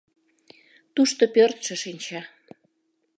Тушто пӧртшӧ шинча.